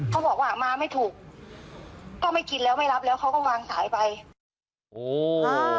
เขาบอกว่ามาไม่ถูกก็ไม่กินแล้วไม่รับแล้วเขาก็วางสายไปโอ้อ่า